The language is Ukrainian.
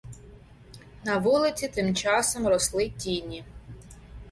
На вулиці тимчасом росли тіні.